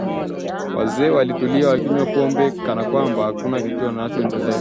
Wazee walitulia wakinywa pombe kana kwamba hakuna kinachoendelea